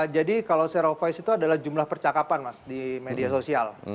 jadi kalau share of voice itu adalah jumlah percakapan mas di media sosial